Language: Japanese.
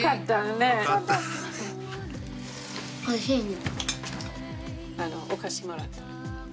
おいしいね。